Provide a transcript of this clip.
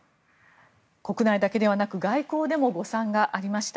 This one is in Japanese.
国内だけではなく外交でも誤算がありました。